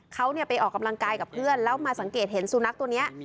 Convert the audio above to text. เขาไปออกกำลังกายกับเพื่อนแล้วมาสังเกตเห็นสุนัขตัวนี้